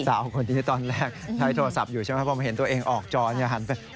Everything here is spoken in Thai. สาวคนนี้ตอนแรกใช้โทรศัพท์อยู่พอมาเห็นตัวเองออกจอหันไป